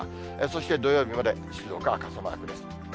そして、土曜日まで静岡は傘マークです。